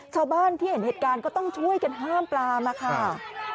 ชาวบ้านที่เห็นเหตุการณ์ก็ต้องช่วยกันห้ามปลามาค่ะ